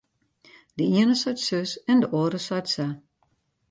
De iene seit sus en de oare seit sa.